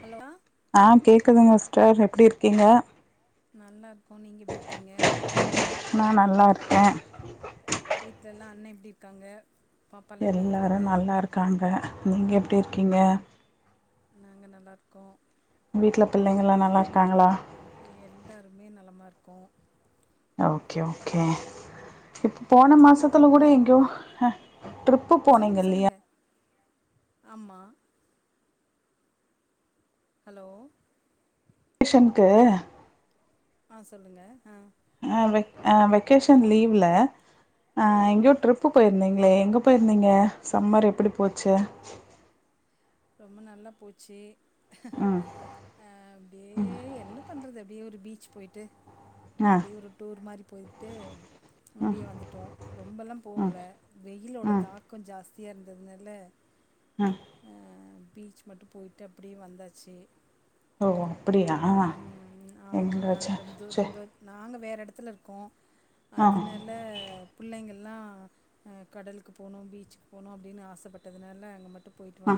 Hello ஆ கேக் குதுங்க சிஸ்டர் எப்டி இருக்கீங்க நல்லா இரு க்கோ நீங்க எப்டி இருக்கீங்க ஆ வீட்ல எல்லா அண்ண எப்டி இருக்காங்க பாப்பாலா எப்டி இருக்காங்க எல்லாரும் நல்லா இருக்காங்க நீங்க எப்டி இருக்கீங்க நாங்க நல்லா இருக்கோம் வீட்ல பிள்ளைங்களலா நல்லா இருக்காங்களா எல்லாருமே நலமா இருக்கோ ஓகே ஓகே இப்போ ஃபோன அப்றோ மாசத்துல கூட வீ எங்கயோ ஆ ட்ரிப்பு போனீங்க சொல்லுங்க இல்லையா சொல்லுங்க ஆமா ஹலோ க்கேஷன்க்கு ஆ சொல்லுங்க ஆ ஆ வெக் உ வெக்கேஷன் லீவ்ல ஆ ஆமா எங்கியோ டிரிப்பு போயிருந்திங் களே எங்க போயிருந்தீங்க சம்மர் எப்டி போச்சி ரொம்ப நல்லா போச்சி ம் ஆ அப்டே என்ன பண்றது அப்டியே ஒரு பீச் போய்ட்டு ஆ அப்டே ஒரு டூர் மாரி போயிட்டு அப்டியே வந்துட்டோம் ரொம்பல்லா போகல வெயிலோட ம் தாக்கம் ஜாஸ் தியா இருந்ததுனால ஆ பீச்சி மட்டும் போய்ட்டு அப்டே வந்தாச்சி ஓஹோ அப்படியா எங்களஜ ச எடத்துல இருக்கோ அதனால பிள்ளைங்க நா கடலுக்கு போனு பீச்சுக் போனு அப்படின்னு ஆசைப்பட்டதுனால அங்க ம ஆ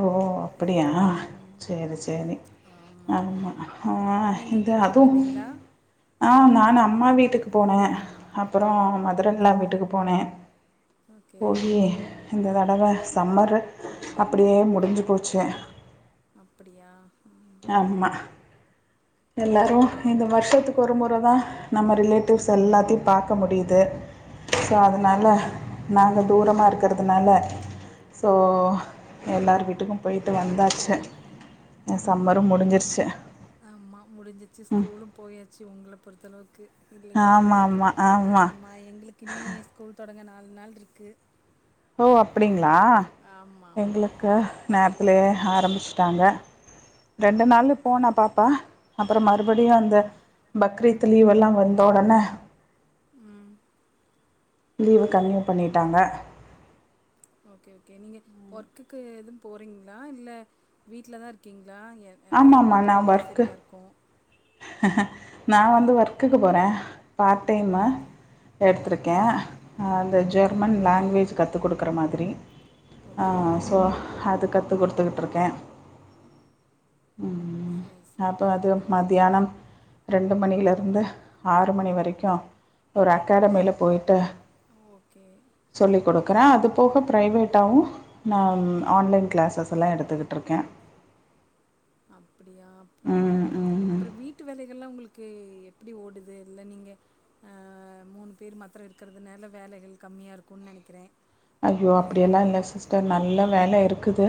ஓ அப்புடியா ம், சேரி சேரி ஆமாம் ஆமா ஆ நீங்கள் இந்த எங்கேயும் போயிட்டு அதுவு வந்தீங்களா அமா ஆமா ம்மா வீட்டுக்கு போனே அப்போ அப்புறோ ஓகே மதுரின்ல்லா வீட்டுக்கு போனே ஓகே போவிலியே இங்கதா ரவா சம்மரு அப்புடியே முடிஞ்சு போச்சே அப்புடியா ம் எல்லாரு இந்த வருஷத்துக்கு ஒருமுற ப்புற நம்ம ரிலேட்டிவ்ஸ் எல்லாத்தையு பாக்க முடியுது தோ அதனால ஆ நாங்க தூரமா இருக் கருதுனால ஸோ எல்லார் வீட்டுக்கு போய்ட்டு வந்தாச்சு எ சம்மரு முடிஞ்சிர்ச்சு ஆமா முடிஞ்சுச்சு ஸ்கூலு போயாச்சு உங்கள பொறுத்தளவுக்கு இல்லையா ஆமாம் ஆமாம் ஆமாம் ஆமா எங்ளுக்கு இனி ஸ்கூல் தொடங்கநா ரண்நாள் ருக்கு ஓ அப்படிங்க ளா ஆமா. எங்ளுக்கு மேப்புலே ஆரம்பிச்சுட்டாங்க ரெண்டு நாளு போனா பாப்பா அப்புறோ மறுபடியு அந்த பக்ரீத்து லீவெல்லா வந்த ஒடனே ம் லீவு கன்னியூ பண்ணிட்டாங்க ஓகே ஓகே நீங்க ஒர்க்குக்கு எதும் போறீங்களா இல்ல வீட்ல தா இருக்கீங் ளா எனகெல்லா வீட்டு வேலையே செரியாருக்கு நா வந்து ஒர்க்குக்கு போறே ர பாட் டைம்ம ஓகே. எடுத்துருக்கே ம். அ அந்த ஜெர்மன் லாங்குவேஜ் கத்து குடுக்குற மாதிரி ஆ ஓகே. சோ அதுக்கத் குடுத்துக்குட்டு இருக்கே சேரி சேரி மதியானம் ரெண்டு மணியிலருந்து ஆறு மணி வரைக்கு ஒரு வே அகாடமில போயிட்டு ஓகே. சொல்லி் குடுக்குறே அதுப் அது போக ப்ரைவேட்டாவு நா ஆன்லைன் கிளாஸஸ்ல்லா எடுத்துக்கிட்டுருக்கே அப்டியா அப்பறோ ம் அப்பறோ வீட்டு வேலை இதுக்கல்லா ஒங்களுக்கு எப்டி ஓடுது இல்ல நீங்க மூனு பேர் மாத்தம் இருக்குறதுனால வேலைகள் கம்மியாக இருக்கும்ன்னு நெனக்குறே அய்யோ அப்டியெல்லா இல்ல சிஸ்டர் நல்ல வேல இருக்குது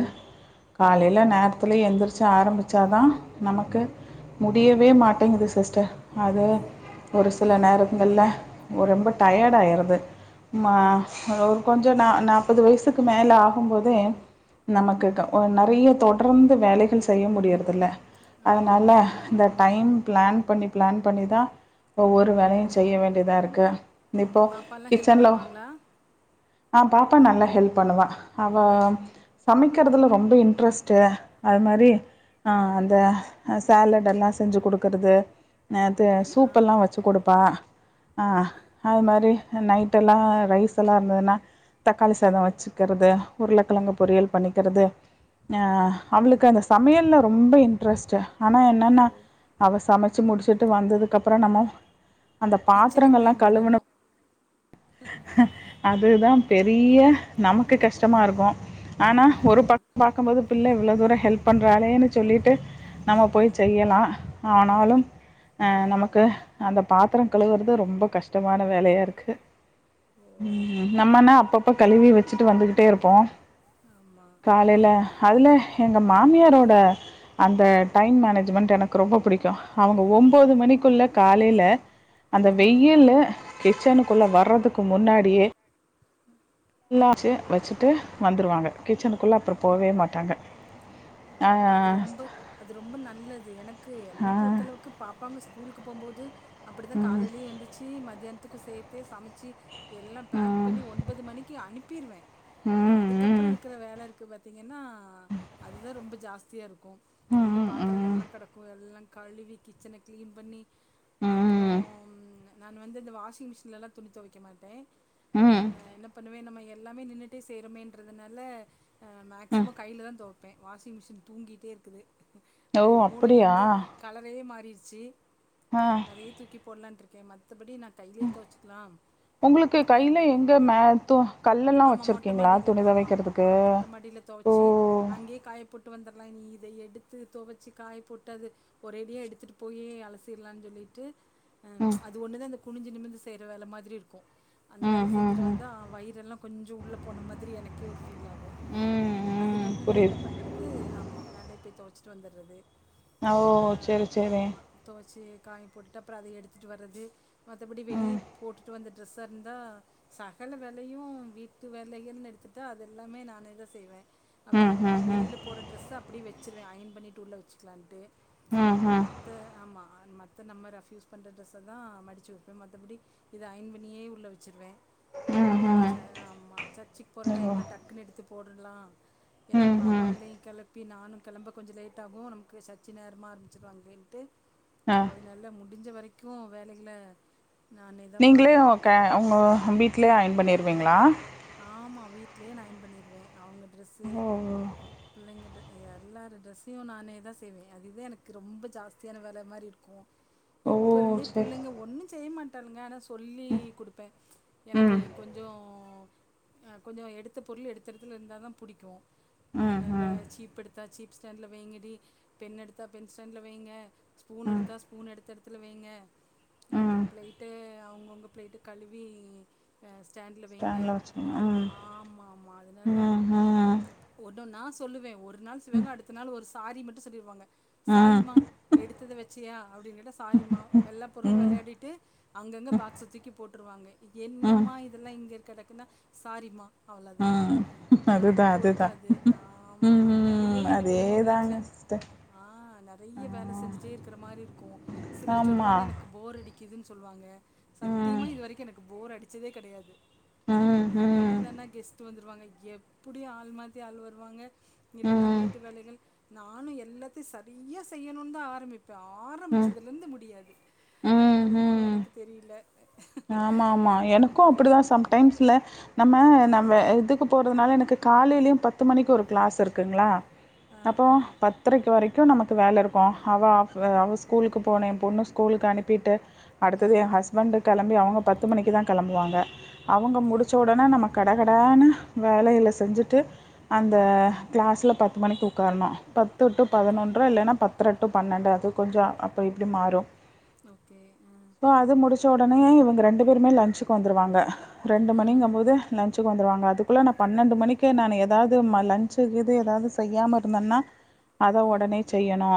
ஆ காலேல நேரத்துல எந்துரு வச்ச ஆரம்பிச்ச தா நமக்கு முடியவே ஓ மாட்டேங்குது சிஸ்டர் அது ஒரு சில ஓ நேரங்கள்ல ரொம்ப டயர்ட் ஆயிருது ம்மா ஓ கொஞ்சோ நா நாப்பது வயசுக்கு மேலே ஆகும்போதே நமக்கு நெறய தொடர்ந்து வேலைகள் செய்ய முடியறதில்ல ஆ அதனால ஆமாங்க இந்த டைம் ம் பிளான் பண்ணி பிளான் பண்ணிதா ஒவ்வொரு வேலயு செய்ய வேண்டியதா இருக்கு இப்போ பாப்பாலாம் ஹெல்ப் கிச்சன்ல பண்ணுவாங்களா ஆ பாப்பா நல்லா ஹெல்ப் பண்ணுவ அவ சமக்குறதுல ரொம்ப இன்ட்ரெஸ்ட் அது மாதிரி ஆ அந்த சாலட் எல்லா செஞ்சு குடுக்குறது நேத்து அப்படியா சூப்பெல்லா வச்சு குடுப்பா ஆ அது மாதிரி நைட் எல்லா ரைஸ் எல்லா இருந்ததுன்னா தக்காளி சாத வச்சுக்கிறது உருளக்கெழங்கு பொரியல் பண்ணிக்குறது ஆ அவளுக்கு அந்த சமையல்ல ரொம்ப இன்ட்ரெஸ்ட்டு ஆனா என்னன்னா ஓ அவ சமச்சு முடிச்சுட்டு வந்ததுக்கு அப்பறோ நம்ம அந்த கிச்சனை பாத்திரங்கள் எல்லா க்ளீன் கழுவனு பண்ணணும் அதுதா பெரிய நமக்கு கஷ்டமா இருக்கு ஆனா ஆமாம் ஒரு ஆமாம் பக்கம் பாக்கும்போது பிள்ள இவ்ளோ தூரோ ஹெல்ப் பண்றாளேன்னு சொல்லிட்டு நம்ம போய் செய்யலா ஆனாலும் ஆ நமக்கு அந்த பாத்திர கழுவுறது ரொம்ப கஷ்டமான வேலயா இருக்கு ஓ நம்மனா அப்பப்ப கழுவி வச்சுட்டு வந்துகிட்டே இருப்போ ஆமாம் காலேல அதுல எங்க மாமியாரோட அந்த டைம் மேனேஜ்மெண்ட் எனக்கு ரொம்ப புடிக்கு அவுங்க ஒம்போது ஓ மணிக்குள்ள காலேல அந்த ம் வெயிலு கிச்சனுக்குள்ள வர்றது க்கு முன்னாடியே எல்லாச்சு வச்சுட்டு வந்துருவாங்க கிச்சனுக்குள்ளே அப்பறோ போவே மாட்டாங்க ஓ அது ரொம்ப அது ரொம்ப நல்லது எனக்கு என்ன பொறுத்தளவுக்கு பாப்பாங்க ஸ்கூலுக்கு போகும்போது அப்டி தா ம் ம் காலே எந்திச்சு மதியான த்துக்கு சேத்தே சமச்சு எல்லா பேக் ம் பண்ணி ஒன்பது மணிக்கு அனுப்ப பர்வே ஆனா அதுக்கப்பற ம் இருக்கற வேல இருக்கு பாருங்க ஏன்னா அது ரொம்ப ஜாஸ்தியாக இருக்கு எல்லா பாத்திரங்கள்லா கெடக்கு எல்லா கழுவி கிச்சன க்ளீன் பண்ணி அப்றோ ம் நான் வந்து இந்த வாஷிங் மிஷின்ல்லா துணி துவைக்க மாட்டே ம் என்ன பண்ணுவே நம்ம எல்லாமே நின்னுட்டே செய்யனுமேன்றதுனால ம் மேக்சிம கையில தா தொவப்பே இப்போ வாஷிங் மிஷின் தூங்கிட்டே இருக்குது ஓ அது ஒரு மூளையில அப்படியா இருந்து கலரையே மாறி ச்சி ஆ அதயே தூக்கி போடலான் இருக்கே கே மத்தபடி நா கையிலே தொவச்சுக்லா உங்களுக்கு கையில் அப்டின்னு எங்கே மே து கல்லெல்லாம் ஆமா மொட்ட வச்சுருக்கீங்களா மாடியில துணி ஆமா ஆமா துவைக்கிறதுக்கு ஆ மொட்ட மாடியில ஓ தொவச்சு காயப்போட்டு வந்தமாறி இத எடுத்து தொவச்சு காயப்போட்டு அத ஒரேடியா எடுத்துட்டு போயி அலசிரலானு சொல்லிட்டு ச் அது ஒன்னு தா இந்த குனிஞ்சு நிமிந்து செய்ற வேலமாரி இருக்கு அந்த ம் வேல ம் செஞ்சுட்டு ம் வந்த கொஞ்ச வயிறெல்லா கொஞ்சோ உள்ளப்போன மாதிரி எனக்கே ஃபில் ஆகு ம் அது ம் இங்க நா என்ன புரியுது பண்றது ஆமா மேலே போய் தெவச்சிட்டு வந்துர்றது ஓ சேரி சேரி துவச்சி காய போட்டுட்டு அப்பறோ அத எடுத்துட்டு வர்ரது மத்தபடி வெளிய ம் போட்டுட்டு வந்த ட்ரெஸ்ஸா இருந்தா சகல வேலயு வீட்டு வேலையன்னு எடுத்துகிட்டா அது எல்லாமே நானே தா செய்வே அப்றோ ம் ம் ம் வெளில போற ட்ரெஸ்ஸ அப்டியே வச்சுருவே அயன் பண்ணிட்டு உள்ள வச்சுக்கலான்ட்டு ம் ம் ம் மத்த ஆமா மத்த நம்ம ரஃப் யூஸ் பண்ற ட்ரெஸ்ஸ தா மடிச்சு வப்பே மற்றபடி இத அயன் பண்ணியே உள்ள வச்சுருவே அந்த ம் ச ஆமா சர்ச்சுக்கு போற டைம்ல்லா டக்குன்னு எடுத்து போடலா ஏன்னா ம் ம் ம் பாப்பாங்களையு கெளப்பி நானு கெளம்ப கொஞ்சோ லேட்டாகு நமக்கு சர்ச்சி நேரமாக ஆரம்பிச்சிருவாங்களேன்ட்டு ஆ அது நல்ல முடி முடிஞ்ச வரைக்கு வேலைகள நீங்களே ஒக்க ஒங்க வீட்லயே அயன் பண்ணி க்குவீங்ளா ஆமா வீட்லயே நா பண்ணிருவே அவுங்க ட்ரெஸ்ஸு ஓ பிள்ளைங்க எல்லார் ட்ரெஸ்ஸையு நானே தா செய்வே அதுதா எனக்கு ரொம்ப ஜாஸ்தியான வேல மாதிரி இருக்கு ஓ இப்ப இருந்தே சரி புள்ளைங்க ஒன்னு செய்ய மாட்டாளுங்கா ஆனா சொல்லி குடுப்பே எனக்கு ம் கொஞ்சோ கொஞ்சோ எடுத்த பொருள் எடுத்த எடத்ல இருந்தா தா புடிக்கு ம் அதனால ம் சீப் எடுத்தா சீப் ஸ்டாண்டல வய்ங்கடி பென் எடுத்தா பென் ஸ்டாண்ல்ல வய்ங்க ஸ்பூன் ம் எடுத்தா ஸ்பூன் எடுத்த எடத்துல வைங்க அப்பறோ ம் பிளைட்டு அவுங்கவுங்க பிளைட்டு கழுவி ஸ்டாண்ல் வய்ங்க ஸ்டாண்ட்ல வச்சுருங்க ம் ஆமா ஆமா ஆதனால ம் ஓட நா சொல்லுவே ஒரு நாள் சிவங்க அடுத்த நாள் ஒரு ச சாரி மட்டு சொல்லிடுவாங்க ம் சாரிமா எடுத்தத வச்ச சியா அப்டின்னுட்டு சாரிம்மா எல்லா பொருளு ம் ம் வெளயாடிட்டு அங்கங்கே பாக்ச தூக்கி போட்டு ருவாங்க ம் என்னம்மா இதெல்லா இங்க இரு கடைக்குன சாரிம்மா அவ்ளதா ம் அதுதா நமக்கு அதுதா பொறுக்காது ஆமா ம் அதனாலயே ம் எனக்கு என்னமோ அதேதாங்க வீட்ல சிஸ்டர் ஆ ஆ நெறய வேல செஞ்சுட்டே இருக்குற மாரி இருக்கு சிலர் ஆமா சொல்லுவாங்க எனக்கு போர் அடி இதுன்னு சொல்லுவாங்க ம் சத்தியமா இது வரைக்கு எனக்கு போர் அடுச்சதே கெடயாது ம் ம் இல்லனா கெஸ்ட்டு வந்து வருவாங்க எப்டி ஆள் மாத்தி ஆள் வருவாங்க இல்லன்னா ம் வீட்டு வேலைகள் நானு எல்லாத்தையு சரிய்யா செய்யணுனு தா ஆரம்பிப்பே இப்போ ம் ஆரம்பிச்சதுல இருந்து முடியாது ம் அது என்னவோ ம் எனக்கு தெரியல ஆமா ஆமா எனக்கு அப்படியே அப்டிதா சம்டைம்ஸ்ல நம்ம நம்ம இதுக்கு போறதுனால எனக்கு காலேலயு பத்து மணிக்கு ஒரு க்ளாஸ் இருக்குங்களா ஆ அப்போ ஆ பத்ரைக்கு வரைக்கு நமக்கு க்கு வேல இருக்கு அவ அவ அவ ஸ்கூலுக்கு போனே எ பொண்ணு ஸ்கூலுக்கு அனுப்பிட்டு அடுத்தது ம் எ ம் ஹஸ்பண்ட்டுக்கு அவுங்க பத்து மணிக்கு தா கெளம்புவாங்க அவுங்க ஓகே முடிச்ச ஒடனே நம்ம கடை கடகடானு வேலைகள செஞ்சுட்டு அந்த கிளாஸ்ல பத்து மணிக்கு ஒக்காரணு பத் ட்டு ஓகே பதினொன்ற இல்லன்னா பத்தர டு பன்னெண்டு அது கொஞ்சோ அப்ப இப்டி மாறு ஓகே ஆ சச் ஒடனே இவுங்க ரெண்டு பேருமே லஞ்சுக்கு வந்துருவாங்க ரெண்டு ம் மணிங்கும் போது லன்ச் வந்ருவாங்க அதுக்குள்ள நா பன்னென்டு மணிக்கு நானு எதாவ்து ம லன்ச்சு இது செய்யாம இருந்தன்னா அத ம் ஒடனே செய்யனு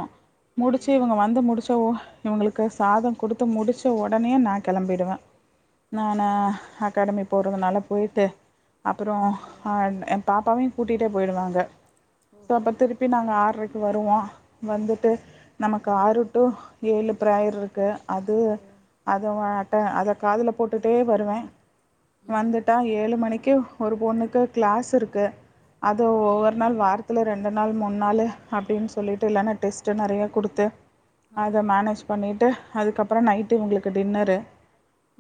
முடுச்சு ம் இவுங்க வந்து முடுச்ச ஓ இவுங்களுக்கு சாதோ குடுத்து முடுச்ச ஒடனே நா கெளம்பிடுவே ஓ நானு அகாடமிக போறதுனால போயிட்டு அப்பறோ ஓ ஆ எ பாப்பாவையு கூட்டிட்டே போயிடுவாங்க சோ ஓஹோ அப்ப திருப்பி நாங்க ஆரைக் வருவோ வந்துட்டு நமக்கு ஆறு டு ஏழு பிரேயர் இருக்கு அது ஓ அத் அட்ட அத காதுல போட்டுட்டே வருவே ம் வந்துட்டா ஏழு மணிக்கு ஒரு பொண்ணுக்கு க்ளாஸ் இருக்கு அது ஒவ்வொரு நாள் வாரத்ல ரெண்டு நாள் மூனு நாள் அப்டின்னு சொல்லிட்டு இல்லன்னா டெஸ்டு நெறயா குடுத்து ஓ அத மேனேஜ் பண்ணிட்டு அதுக்கப்றோ நைட்டு இவுங்களுக்கு க்கு டின்னரு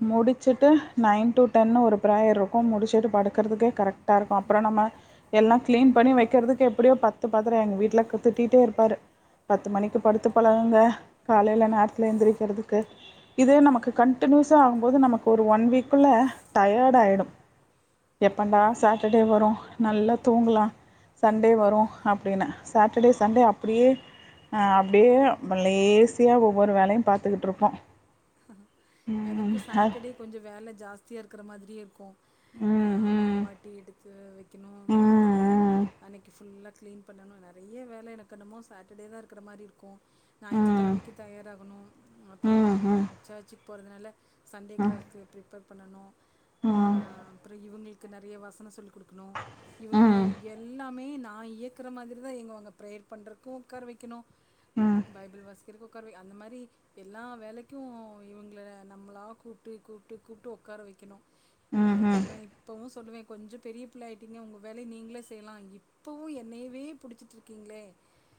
ம் முடுச்சுட்டு நைன் டு டென் ஒரு பிரேயர் இருக்கு முடிச்சுட்டு படுக்குறதுக்கு கரெக்டா இருக்கு அப்றோ நம்ம எல்லா ம் க்ளீன் பண்ணி வைக்கிறதுக்கே அப்டியோ பத்து பாத்திரம் எங்க வீட்ல குத்துட்டிட்டே இருப்பாரு பத்து ஓ மணிக்கு படுத்து பழகுங்க காலையில் ம் நேரத்துல எந்திரிக்குறதுக்கு நமக்கு கண்டிநியூஸா ஆகும்போது நமக்கு ஒரு ஒன் வீக்குள்ள டயடு ஆயிடும் எப்பன்டா சட்டர்டே வரும் நல்ல தூங்கலாம் சண்டே வரும் அப்டினு சட்டர்டே சண்டே அப்டியே அப்டியே லேசியா ஒவ்வொரு வேலையும் பாத்துகிட்டு இருப்போம் எனக்கு ம். அ சட்டர்டே கொஞ்சம் வேலை ஜாஸ்தியா இருக்கிற மாதிரியே இருக்கும் ம் அ மாவு ம் ஆட்டி எடுத்து வை வைக்கனு ம் அப்றோ ம் அன்னைக்கு ஃபுல்லா க்ளீன் பண்ணணும் நெறைய வேலை எனக்கு என்னமோ சட்டர்டே தா இருக்கிற மாரி இருக்கும் ம் ஞாயிற்றுக்கிழமைக்கு ம் தயாராகணும் ம் ம் ம் ம் அப்றோ ம் போறதுனால சண்டே கிளஸ்க்கு ப்ரிப்பர் பண்ணணு ஆ அப்றோ இவங் நெறைய வாசன சொல் குடுக்கணும் இவங்க ம்ஹும் எல்லாமே நா நா இயக்குற மாரிதான் எங்க அவங்க ப்ரேயர் பண்றக்கு உக்கார வைக்கணும் ம் பைபில் வாசிக் உக்கார வை அந்த மாரி எல்லா வேலைக்கு இவங்கள நம்ளா கூப்பிட்டு கூப்பிட்டு கூப்பிட்டு உக்கார வைக்கணும் அ ம் அப்றோ இப்பவும் சொல்லுவேன் கொஞ்சம் பெரிய பிள்ளை ஆகிட்டிங்க உங்க வேலைய நீங்களே செய்யலாம் இப்போவும் என்னவே பிடிச்சிட்டு இருக்கீங்களே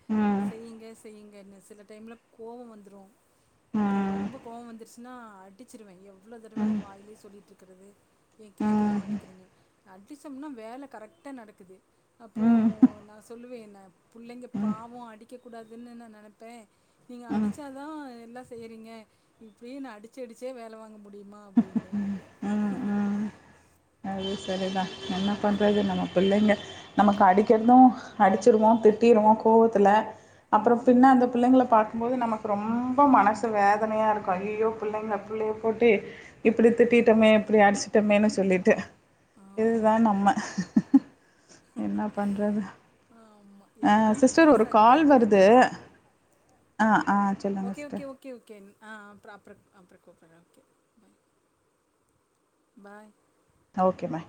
ம் செய்யுங்க செய்யுங்க என் சில டைமில கோபம் வந்துடும் அப்றோ ரொம்ப கோவம் வந்துருச்சுனா அடிச்சிருவேன் எவ்வளோ தடவை நான் வாயிலே சொல்லிட்டு இருக்கறிது ஏ கேட்கவே மாட்டேங்கிறீங்க அடிச்சோம்னா வேலை கரெக்டாக நடக்குது அப்போ ம் நா சொல்லுவேன் நா பிள்ளைங்க பாவம் அடிக்க கூடாதுன்னு நா நினைப்பேன் நீங்க ம் ம் அடிச்சா தா எல்லா செய்றீங்க இப்படியே நா அடிச்சடிச்சே வேலை வாங் முடியுமா அப்டின்னு ம் ம் அது சரிதா என்ன பண்றது நம்ம பிள்ளைங்க நமக்கு அடி க்கது அடிச்சிருவோ திட்டிருவோ கோவத்துல அப்புறோ பின்ன ஆமாம் அந்த பிள்ளைங்கள பாரக்கும்போது நமக்கு ரொம்ப மனசு வேதனையா இருக்கு ஐயோ பிள்ளைங்கள பிள்ளைய போட்டு இப்டி திட்டிட்டோமே இப்டி அடிச்சிட்டோமேன்னு சொல்லிட்டு இதுதா ஆமாம் நம்ம என்ன பண்றது ஆமாம் அ சிஸ்டர் எல்லாத்துலேயும் ஒரு சரியாக கால் இருக்க வருது வைக்கணும் அ ஆ சொல்லுங்க okay okay sister okay okay ஆ அ அப்புறோ அப்ரோ அப்ரோ கூப்பரே அப்ரோ ஓகே பாய் ஓகே பாய்